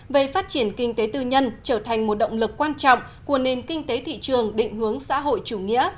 về phát triển kinh tế tư nhân trở thành một động lực quan trọng của nền kinh tế thị trường định hướng xã hội chủ nghĩa